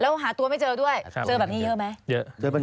แล้วหาตัวไม่เจอด้วยเจอแบบนี้เยอะไหม